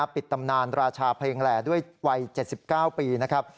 ปิดตำนานราชาเพลงแหล่ด้วยวัย๗๙ปีนะครับ